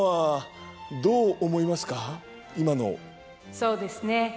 そうですね